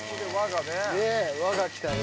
和がきたね。